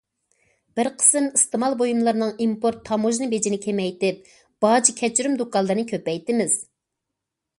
بىر قىسىم ئىستېمال بۇيۇملىرىنىڭ ئىمپورت تاموژنا بېجىنى كېمەيتىپ، باج كەچۈرۈم دۇكانلىرىنى كۆپەيتىمىز.